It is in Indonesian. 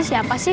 alia lebih side